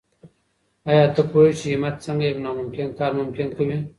آیا ته پوهېږې چې همت څنګه یو ناممکن کار ممکن کوي؟